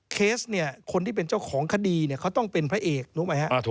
เคสเนี่ยคนที่เป็นเจ้าของคดีเนี่ยเขาต้องเป็นพระเอกรู้ไหมครับ